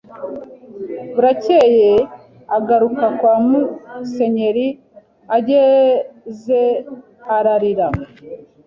Burakeye agaruka kwa Musenyeri agezeararira